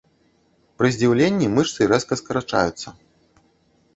Пры здзіўленні мышцы рэзка скарачаюцца.